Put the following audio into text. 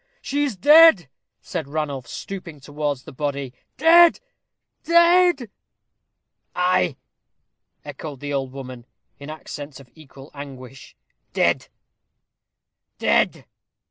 "She is dead," said Ranulph, stooping towards the body. "Dead dead!" "Ay," echoed the old woman, in accents of equal anguish "dead dead!"